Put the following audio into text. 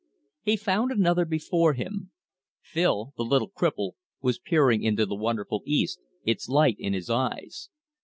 He found another before him. Phil, the little cripple, was peering into the wonderful east, its light in his eyes.